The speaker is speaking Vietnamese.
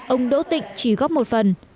ông đỗ tịnh chỉ góp một phần